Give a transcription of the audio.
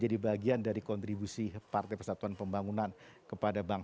jangan lupa untuk berikan duit kepada tuhan